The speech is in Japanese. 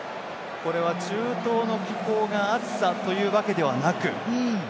中東の気候や暑さというわけではなく。